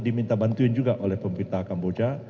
diminta bantuin juga oleh pemerintah kamboja